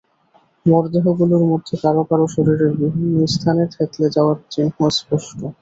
মরদেহগুলোর মধ্যে কারও কারও শরীরের বিভিন্ন স্থানে থেঁতলে যাওয়ার চিহ্ন স্পষ্ট।